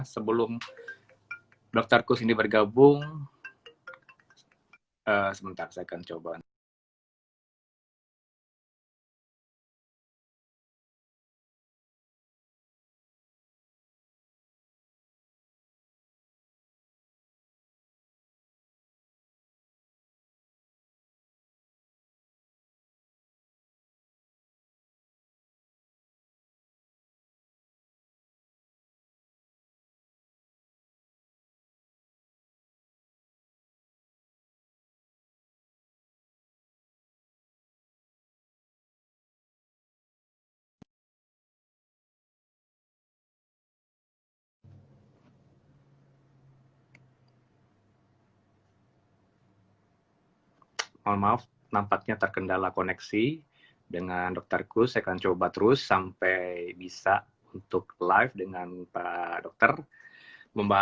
sebelum dr kus ini bergabung sebentar saya akan coba